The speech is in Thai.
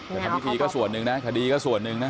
ทำพิธีก็ส่วนหนึ่งนะคดีก็ส่วนหนึ่งนะ